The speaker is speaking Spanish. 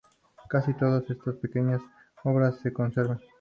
Casi todas estas pequeñas obras se conservan.